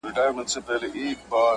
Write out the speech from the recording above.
که زه درته ووايم، چي زه بريئه يم.